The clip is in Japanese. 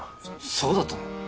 そうだったの？